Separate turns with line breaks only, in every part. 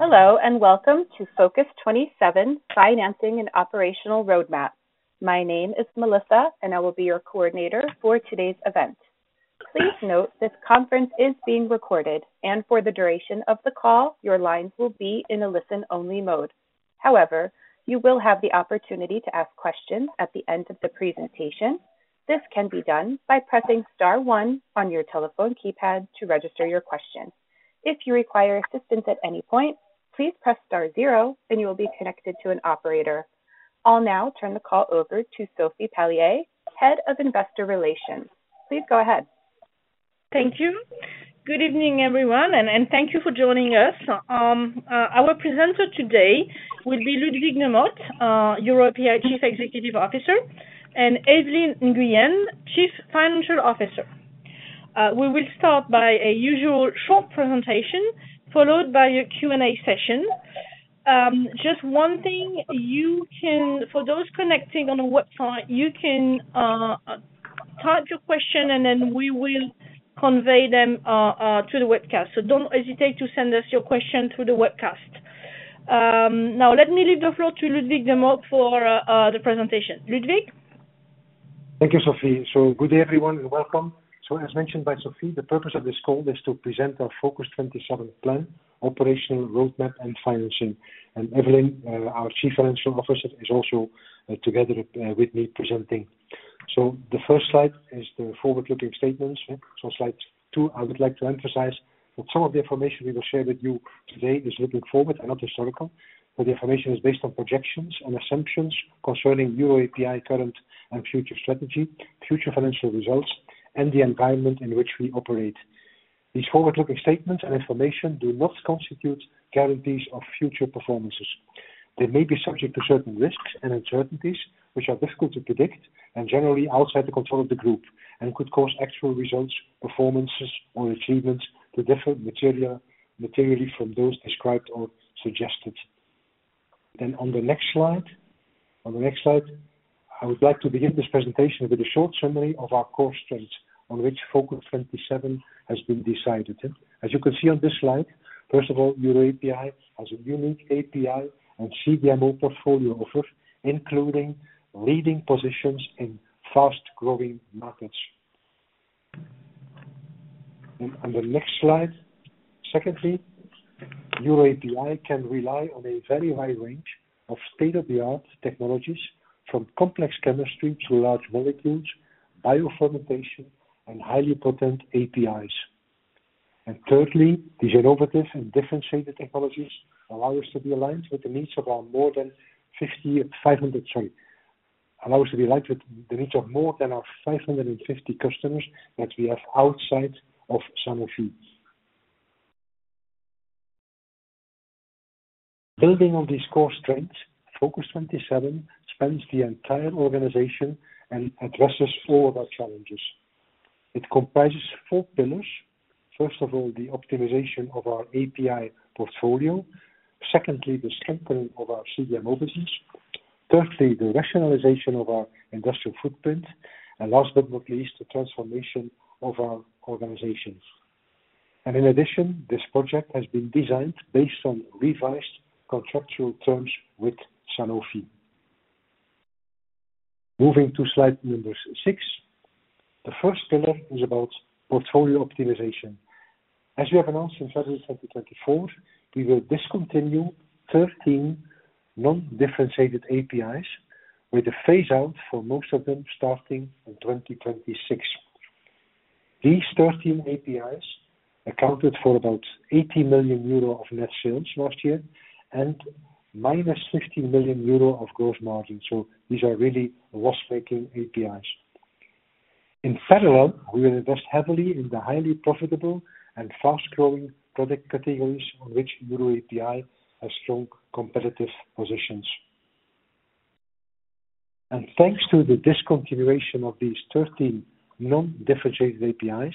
Hello, and welcome to FOCUS-27, Financing and Operational Roadmap. My name is Melissa, and I will be your coordinator for today's event. Please note, this conference is being recorded, and for the duration of the call, your lines will be in a listen-only mode. However, you will have the opportunity to ask questions at the end of the presentation. This can be done by pressing star one on your telephone keypad to register your question. If you require assistance at any point, please press star zero, and you will be connected to an operator. I'll now turn the call over to Sophie Palliez, Head of Investor Relations. Please go ahead.
Thank you. Good evening, everyone, and thank you for joining us. Our presenter today will be Ludwig de Mot, EUROAPI Chief Executive Officer, and Evelyne Nguyen, Chief Financial Officer. We will start by a usual short presentation, followed by a Q&A session. Just one thing, you can... for those connecting on a website, you can type your question, and then we will convey them to the webcast. So don't hesitate to send us your question through the webcast. Now let me leave the floor to Ludwig de Mot for the presentation. Ludwig?
Thank you, Sophie. Good day, everyone, and welcome. As mentioned by Sophie, the purpose of this call is to present our FOCUS-27 plan, operational roadmap, and financing. Evelyne, our Chief Financial Officer, is also together with me presenting. The first slide is the forward-looking statements. Slide two, I would like to emphasize that some of the information we will share with you today is looking forward and not historical, but the information is based on projections and assumptions concerning EUROAPI current and future strategy, future financial results, and the environment in which we operate. These forward-looking statements and information do not constitute guarantees of future performances. They may be subject to certain risks and uncertainties, which are difficult to predict and generally outside the control of the group and could cause actual results, performances, or achievements to differ materially from those described or suggested. Then on the next slide, on the next slide, I would like to begin this presentation with a short summary of our core strengths on which FOCUS-27 has been decided. As you can see on this slide, first of all, EUROAPI has a unique API and CDMO portfolio offer, including leading positions in fast-growing markets. And on the next slide, secondly, EUROAPI can rely on a very wide range of state-of-the-art technologies, from complex chemistry to large molecules, biofermentation, and highly potent APIs. Thirdly, these innovative and differentiated technologies allow us to be aligned with the needs of more than our 550 customers that we have outside of Sanofi. Building on this core strength, FOCUS-27 spans the entire organization and addresses all of our challenges. It comprises four pillars. First of all, the optimization of our API portfolio. Secondly, the strengthening of our CDMO business. Thirdly, the rationalization of our industrial footprint, and last but not least, the transformation of our organizations. In addition, this project has been designed based on revised contractual terms with Sanofi. Moving to slide number 6. The first pillar is about portfolio optimization. As we have announced in February 2024, we will discontinue 13 non-differentiated APIs with a phase out for most of them starting in 2026. These 13 APIs accounted for about 80 million euro of net sales last year and -50 million euro of gross margin, so these are really loss-making APIs. In parallel, we will invest heavily in the highly profitable and fast-growing product categories on which EUROAPI has strong competitive positions. And thanks to the discontinuation of these 13 non-differentiated APIs,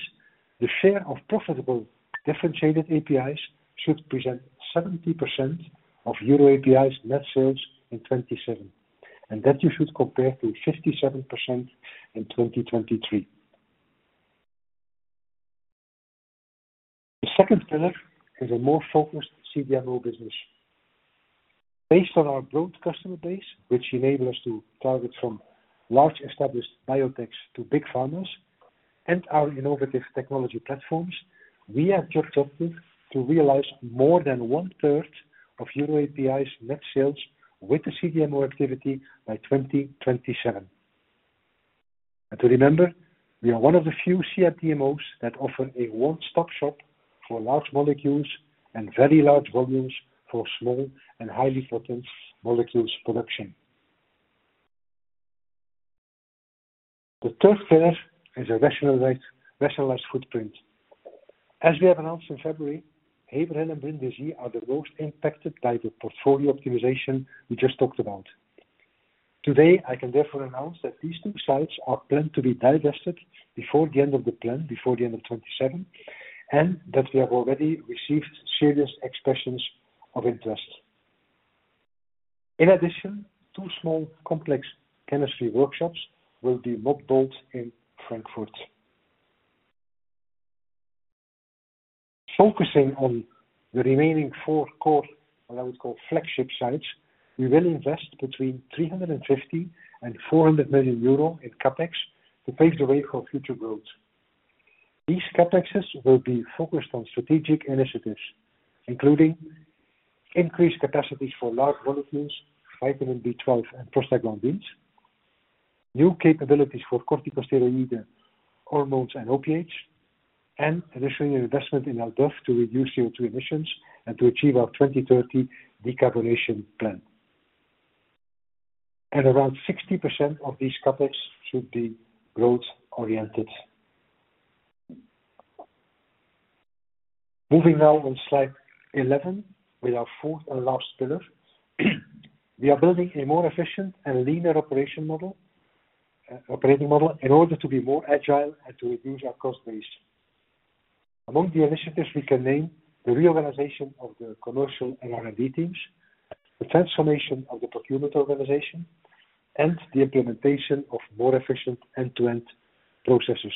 the share of profitable differentiated APIs should present 70% of EUROAPI's net sales in 2027, and that you should compare to 57% in 2023. The second pillar is a more focused CDMO business. Based on our broad customer base, which enable us to target from large established biotechs to big pharmas and our innovative technology platforms, we have just opted to realize more than one third of EUROAPI's net sales with the CDMO activity by 2027. And to remember, we are one of the few CDMOs that offer a one-stop shop for large molecules and very large volumes for small and highly potent molecules production. The third pillar is a rationalized, rationalized footprint. As we have announced in February, Haverhill and Brindisi are the most impacted by the portfolio optimization we just talked about. Today, I can therefore announce that these two sites are planned to be divested before the end of the plan, before the end of 2027, and that we have already received serious expressions of interest.... In addition, two small complex chemistry workshops will be mobilized in Frankfurt. Focusing on the remaining four core, what I would call flagship sites, we will invest between 350 million and 400 million euro in CapEx to pave the way for future growth. These CapExes will be focused on strategic initiatives, including increased capacities for large molecules, vitamin B12, and prostaglandin, new capabilities for corticosteroid, hormones, and opiates, and additional investment in our drive to reduce CO2 emissions and to achieve our 2030 decarbonization plan. Around 60% of these CapEx should be growth-oriented. Moving now on slide 11, with our fourth and last pillar, we are building a more efficient and leaner operating model in order to be more agile and to reduce our cost base. Among the initiatives, we can name the reorganization of the commercial and R&D teams, the transformation of the procurement organization, and the implementation of more efficient end-to-end processes.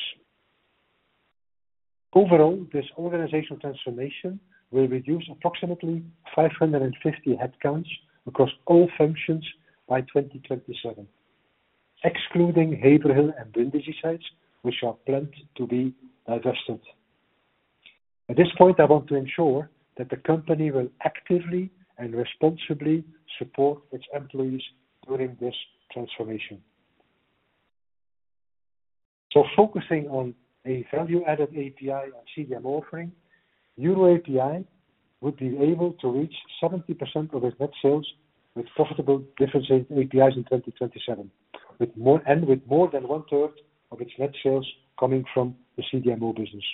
Overall, this organizational transformation will reduce approximately 550 headcounts across all functions by 2027, excluding Haverhill and Brindisi sites, which are planned to be divested. At this point, I want to ensure that the company will actively and responsibly support its employees during this transformation. Focusing on a value-added API and CDMO offering, EUROAPI would be able to reach 70% of its net sales with profitable differentiated APIs in 2027, with more than one-third of its net sales coming from the CDMO business.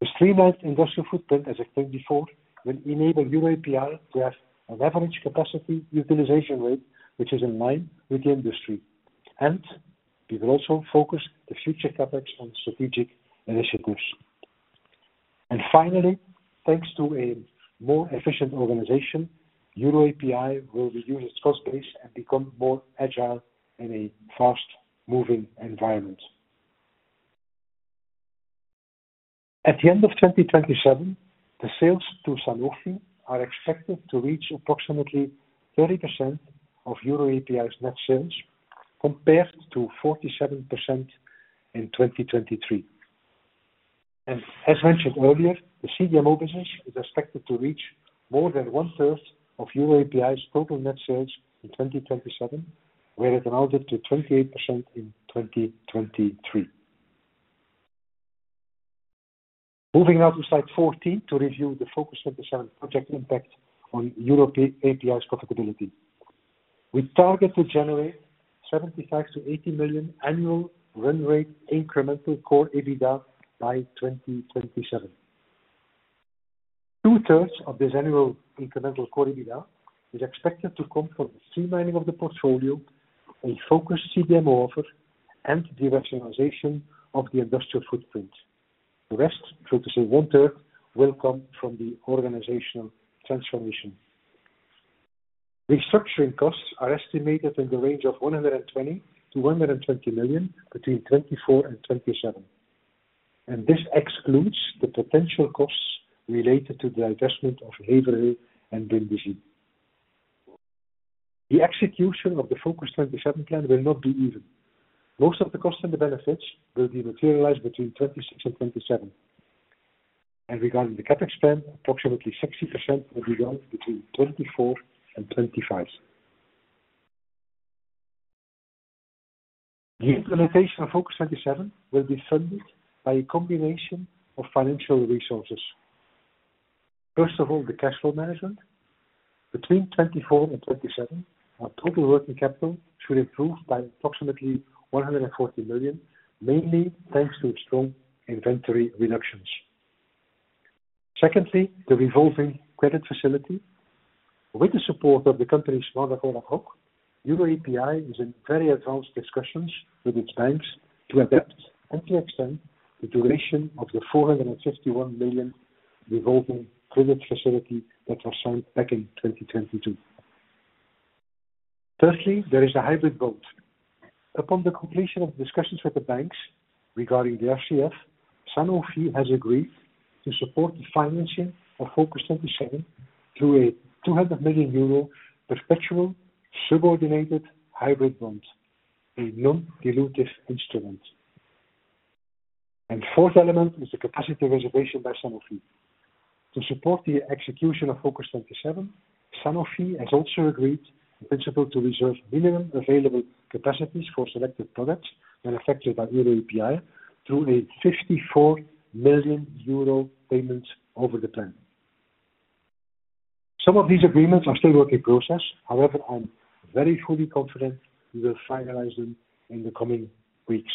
The streamlined industrial footprint, as explained before, will enable EUROAPI to have an average capacity utilization rate, which is in line with the industry, and we will also focus the future CapEx on strategic initiatives. Finally, thanks to a more efficient organization, EUROAPI will reduce its cost base and become more agile in a fast-moving environment. At the end of 2027, the sales to Sanofi are expected to reach approximately 30% of EUROAPI's net sales, compared to 47% in 2023. As mentioned earlier, the CDMO business is expected to reach more than 1/3 of EUROAPI's total net sales in 2027, where it amounted to 28% in 2023. Moving now to slide 14, to review the FOCUS-27 project impact on EUROAPI's profitability. We target to generate 75 to 80 million annual run rate incremental core EBITDA by 2027. Two-thirds of this annual incremental Core EBITDA is expected to come from the streamlining of the portfolio, a focused CDMO offer, and the rationalization of the industrial footprint. The rest, so to say, one-third, will come from the organizational transformation. Restructuring costs are estimated in the range of 110 to 120 million between 2024 and 2027, and this excludes the potential costs related to the divestment of Haverhill and Brindisi. The execution of the FOCUS-27 plan will not be even. Most of the costs and the benefits will be materialized between 2026 and 2027, and regarding the CapEx spend, approximately 60% will be done between 2024 and 2025. The implementation of FOCUS-27 will be funded by a combination of financial resources. First of all, the cash flow management. Between 2024 and 2027, our total working capital should improve by approximately 140 million, mainly thanks to strong inventory reductions. Secondly, the revolving credit facility. With the support of the company's mandataire ad hoc, EUROAPI is in very advanced discussions with its banks to adapt and to extend the duration of the 451 million revolving credit facility that was signed back in 2022. Thirdly, there is a hybrid bond. Upon the completion of discussions with the banks regarding the RCF, Sanofi has agreed to support the financing of FOCUS-27 through a 200 million euro perpetual subordinated hybrid bond, a non-dilutive instrument. And fourth element is the capacity reservation by Sanofi. To support the execution of FOCUS-27, Sanofi has also agreed in principle to reserve minimum available capacities for selected products manufactured by EUROAPI through a 54 million euro payment over the term. Some of these agreements are still a work in process. However, I'm very fully confident we will finalize them in the coming weeks.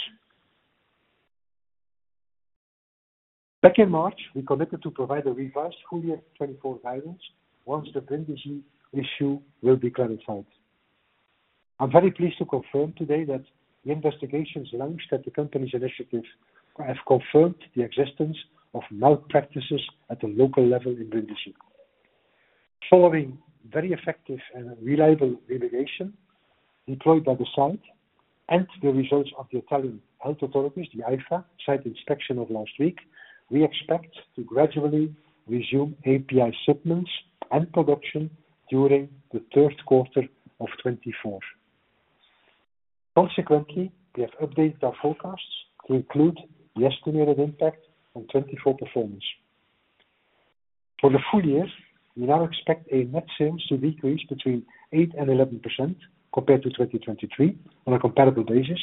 Back in March, we committed to provide a revised full year 2024 guidance, once the Brindisi issue will be clarified. I'm very pleased to confirm today that the investigations launched at the company's initiative have confirmed the existence of malpractices at the local level in Brindisi. Following very effective and reliable mitigation deployed by the site and the results of the Italian health authorities, the AIFA site inspection of last week, we expect to gradually resume API shipments and production during the third quarter of 2024. Consequently, we have updated our forecasts to include the estimated impact on 2024 performance. For the full year, we now expect a net sales to decrease between 8% and 11% compared to 2023 on a comparable basis,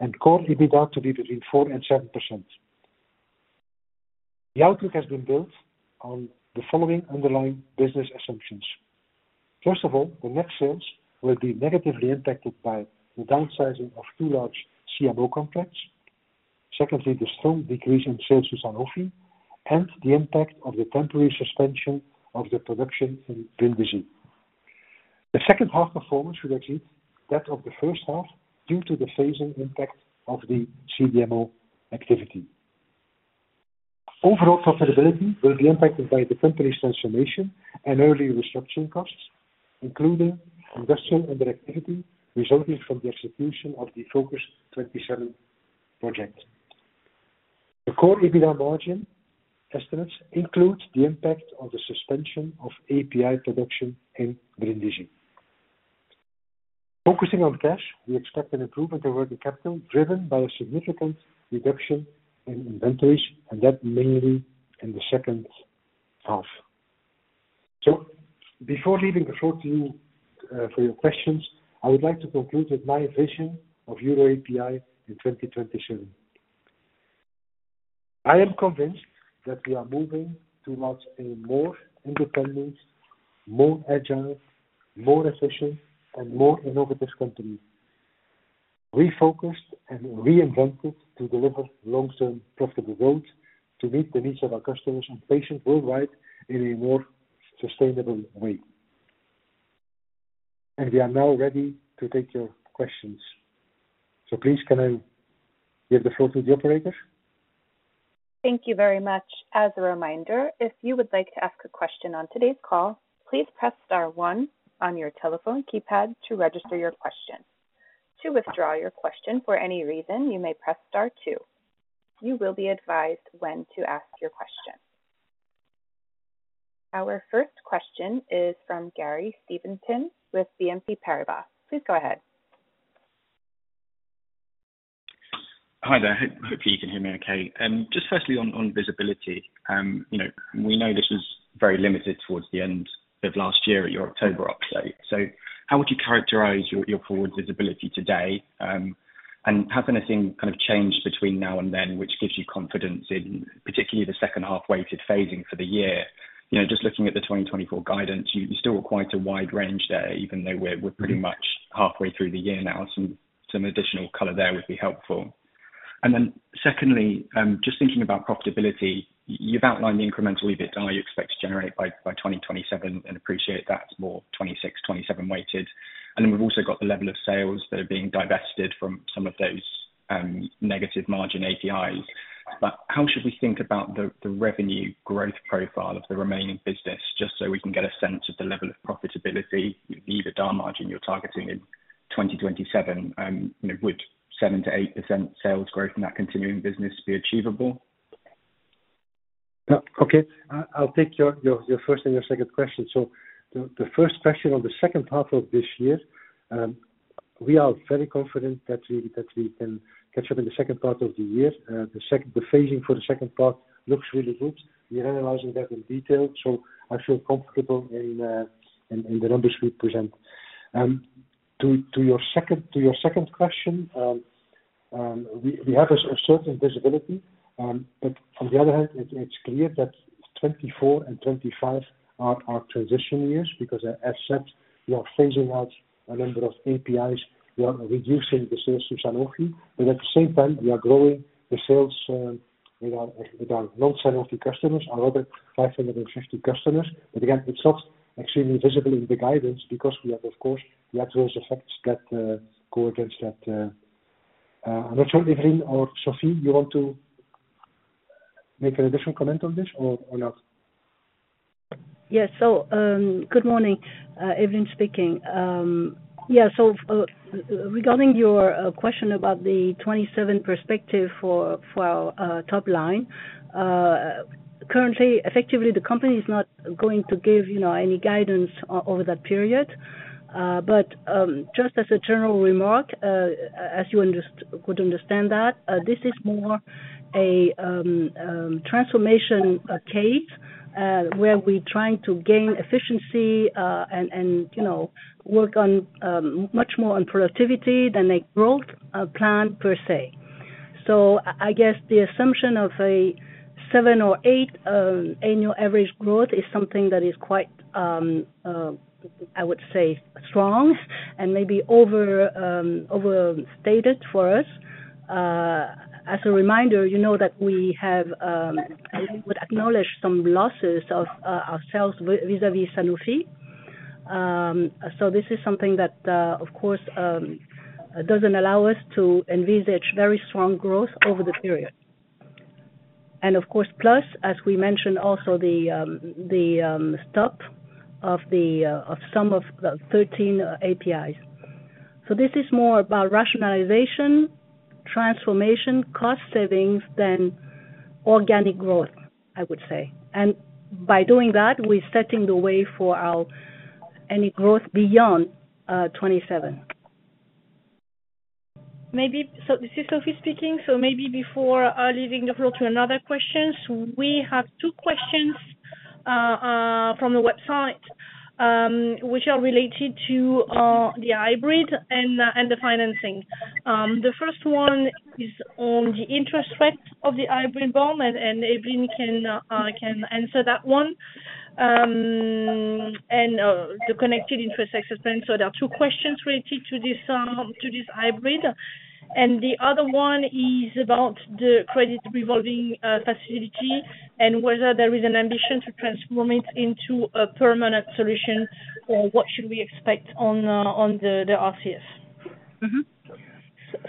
and core EBITDA to be between 4% and 7%. The outlook has been built on the following underlying business assumptions: First of all, the net sales will be negatively impacted by the downsizing of two large CMO contracts. Secondly, the strong decrease in sales to Sanofi, and the impact of the temporary suspension of the production in Brindisi. The second half performance should achieve that of the first half, due to the phasing impact of the CDMO activity. Overall profitability will be impacted by the company's transformation and early restructuring costs, including industrial underactivity resulting from the execution of the FOCUS-27 project. The core EBITDA margin estimates include the impact of the suspension of API production in Brindisi. Focusing on cash, we expect an improvement over the capital, driven by a significant reduction in inventories, and that mainly in the second half. So before leaving the floor to you, for your questions, I would like to conclude with my vision of EUROAPI in 2027. I am convinced that we are moving towards a more independent, more agile, more efficient, and more innovative company. Refocused and reinvented to deliver long-term profitable growth, to meet the needs of our customers and patients worldwide in a more sustainable way. We are now ready to take your questions. So please, can I give the floor to the operator?
Thank you very much. As a reminder, if you would like to ask a question on today's call, please press star one on your telephone keypad to register your question. To withdraw your question for any reason, you may press star two. You will be advised when to ask your question. Our first question is from Gary Stevenson with BNP Paribas. Please go ahead.
Hi there. Hopefully you can hear me okay. Just firstly, on visibility, you know, we know this was very limited towards the end of last year at your October update. So how would you characterize your forward visibility today? And has anything kind of changed between now and then, which gives you confidence in particularly the second half weighted phasing for the year? You know, just looking at the 2024 guidance, you've still got quite a wide range there, even though we're pretty much halfway through the year now. Some additional color there would be helpful. And then secondly, just thinking about profitability, you've outlined the incremental EBITDA you expect to generate by 2027 and appreciate that's more 2026, 2027 weighted. And then we've also got the level of sales that are being divested from some of those negative margin APIs. But how should we think about the revenue growth profile of the remaining business, just so we can get a sense of the level of profitability, the EBITDA margin you're targeting in 2027? You know, would 7%-8% sales growth in that continuing business be achievable?
Okay. I'll take your first and your second question. So the first question, on the second half of this year, we are very confident that we can catch up in the second part of the year. The second, the phasing for the second part looks really good. We are analyzing that in detail, so I feel comfortable in the numbers we present. To your second question, we have a certain visibility, but on the other hand, it's clear that 2024 and 2025 are our transition years, because as said, we are phasing out a number of APIs, we are reducing the sales to Sanofi, but at the same time, we are growing the sales, with our non-Sanofi customers, our other 550 customers. But again, it's not extremely visible in the guidance because we have, of course, we have those effects that go against that. Rachel, Evelyne, or Sophie, you want to make an additional comment on this or not?
Yes. So, good morning, Evelyne speaking. Yeah, so, regarding your question about the 27 perspective for top line, currently, effectively, the company is not going to give, you know, any guidance over that period. But just as a general remark, as you could understand that, this is more a transformation case where we're trying to gain efficiency, and, you know, work on much more on productivity than a growth plan per se. So I guess the assumption of a 7 or 8 annual average growth is something that is quite, I would say strong and maybe overstated for us. As a reminder, you know that we have, I would acknowledge some losses of our sales vis-a-vis Sanofi. So this is something that, of course, doesn't allow us to envisage very strong growth over the period. And of course, plus, as we mentioned also, the stop of some of the 13 APIs. So this is more about rationalization, transformation, cost savings than organic growth, I would say. And by doing that, we're setting the way for our any growth beyond 27.
Maybe, so this is Sophie speaking. So maybe before leaving the floor to another questions, we have two questions from the website, which are related to the hybrid and the financing. The first one is on the interest rate of the hybrid bond, and Evelyne can answer that one. And the contingent interest rate suspension. So there are two questions related to this hybrid. And the other one is about the credit revolving facility, and whether there is an ambition to transform it into a permanent solution, or what should we expect on the RCF? Mm-hmm.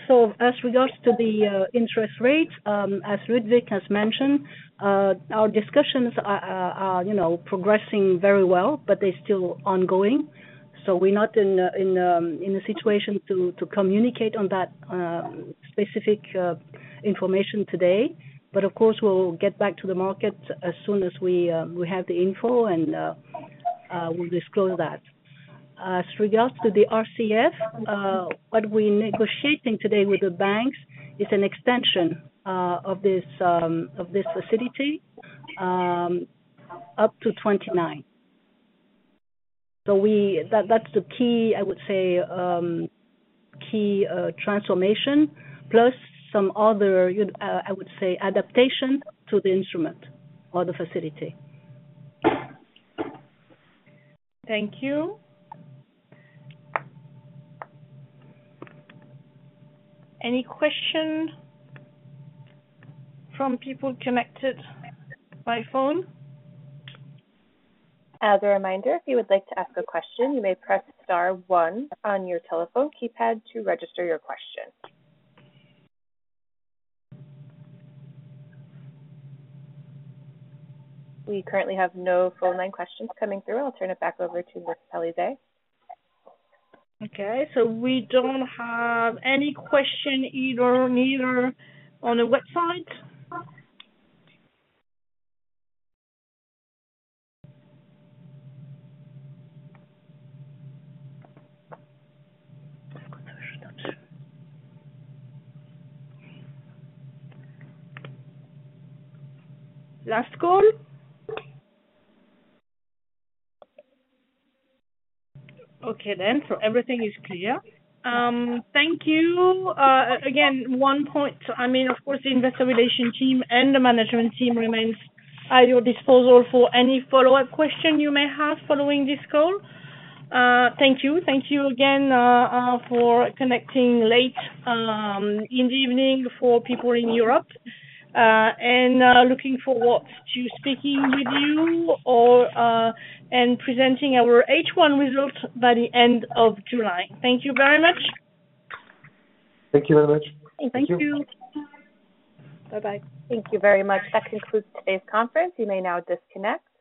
So as regards to the interest rate, as Ludwig has mentioned, our discussions are, you know, progressing very well, but they're still ongoing. So we're not in a situation to communicate on that specific information today. But of course, we'll get back to the market as soon as we have the info, and we'll disclose that. As regards to the RCF, what we're negotiating today with the banks is an extension of this facility up to 2029. So that, that's the key, I would say, key transformation, plus some other, I would say, adaptation to the instrument or the facility. Thank you. Any question from people connected by phone?
As a reminder, if you would like to ask a question, you may press star one on your telephone keypad to register your question. We currently have no phone line questions coming through. I'll turn it back over to you, Sophie Palliez.
Okay, so we don't have any question either, neither on the website? Last call. Okay, then, so everything is clear. Thank you. Again, one point, I mean, of course, the investor relation team and the management team remains at your disposal for any follow-up question you may have following this call. Thank you. Thank you again, for connecting late, in the evening for people in Europe, and, looking forward to speaking with you or, and presenting our H1 results by the end of July. Thank you very much.
Thank you very much.
Thank you.
Thank you. Bye-bye.
Thank you very much. That concludes today's conference. You may now disconnect.